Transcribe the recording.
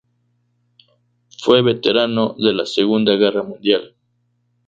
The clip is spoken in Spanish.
Fue veterano de la Segunda Guerra Mundial.